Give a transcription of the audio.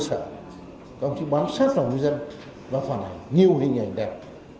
các đồng chí bám sát vào người dân và phản hành nhiều hình ảnh đẹp